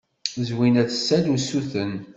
Zwina tessa-d usuten.